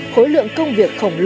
khối lượng công việc của các nghệ sĩ